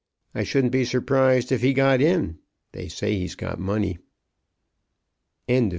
I shouldn't be surprised if he got in. They say he's got money." CHAPTER XXI.